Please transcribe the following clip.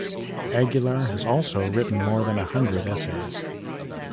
Aguilar has also written more than a hundred essays.